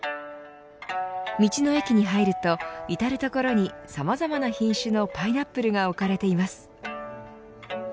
道の駅に入ると至る所にさまざまな品種のパイナップルが置かれています。